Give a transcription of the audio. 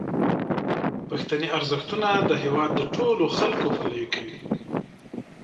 پښتني ارزښتونه د هیواد د ټولو خلکو پلوي کوي.